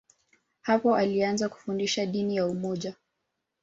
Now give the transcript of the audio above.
Hapo alianza kufundisha dini ya umoja.